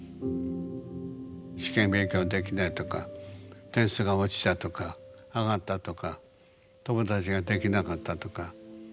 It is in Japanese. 「試験勉強できない」とか「点数が落ちた」とか「上がった」とか「友達ができなかった」とか。